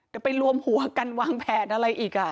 จะไปรวมหัวกันวางแผนอะไรอีกอ่ะ